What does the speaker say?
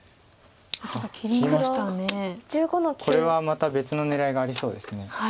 これはまた別の狙いがありそうです。